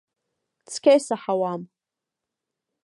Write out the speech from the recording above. Цқьа исаҳауам.